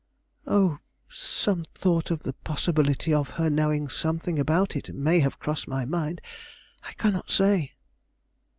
"Oh, some thought of the possibility of her knowing something about it may have crossed my mind; I cannot say."